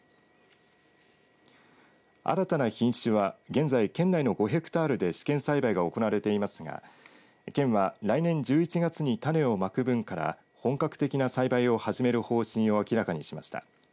新たな品種は現在、県内の５ヘクタールで試験栽培が行われていますが県は来年１１月に種をまく分から本格的な栽培を始める方針を明らかにしました。